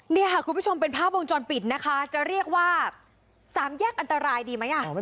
นี่ค่ะคุณผู้ชมเป็นภาพวงจรปิดนะคะจะเรียกว่าสามแยกอันตรายดีไหมอ่ะ